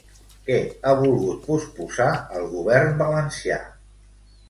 Què ha volgut posposar el govern valencià?